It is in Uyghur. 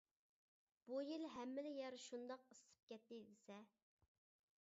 بۇ يىل ھەممىلا يەر شۇنداق ئىسسىپ كەتتى، دېسە.